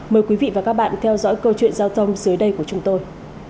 mời quý vị và các bạn theo dõi câu chuyện giao thông dưới đây của chúng tôi